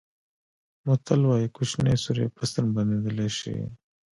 متل وایي کوچنی سوری په ستن بندېدلای شي.